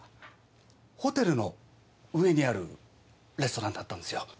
ホテルの上にあるレストランだったんですよ。